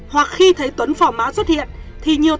hoặc khi thấy tuấn phỏ mã xuất hiện